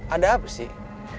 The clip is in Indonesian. ada apa sih